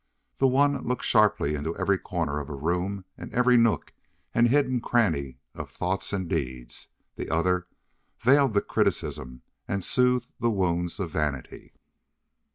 The one looked sharply into every corner of a room and every nook and hidden cranny of thoughts and deeds; the other veiled the criticism and soothed the wounds of vanity.